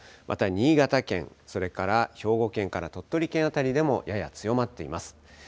また新潟県、それから兵庫県から鳥取県辺りでもやや強まっています。